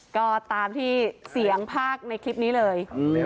ก็ตามที่เสียงภาคในคลิปนี้เลย